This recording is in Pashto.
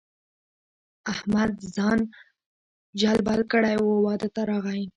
احمد ځان جلبل کړی وو؛ واده ته راغی.